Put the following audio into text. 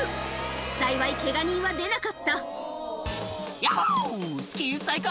幸いケガ人は出なかった「ヤッホスキー最高！